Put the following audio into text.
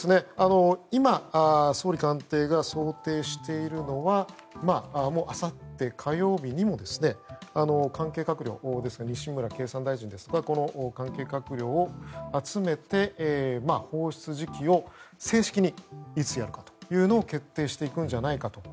今、総理官邸が想定しているのはあさって火曜日にも西村経産大臣ですとか関係閣僚を集めて放出時期を正式にいつやるかというのを決定していくんじゃないかと。